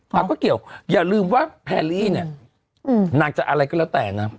ฮะอย่าลืมว่าแพลีเนี่ยนางจะอะไรก็แล้วแต่น่ะ